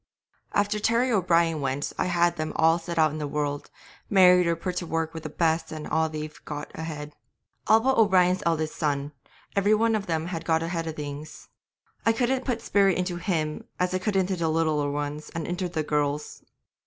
'After Terry O'Brien went I had them all set out in the world, married or put to work with the best, and they've got ahead. All but O'Brien's eldest son, every one of them have got ahead of things. I couldn't put the spirit into him as I could into the littler ones and into the girls.